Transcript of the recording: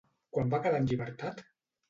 Quan va quedar en llibertat?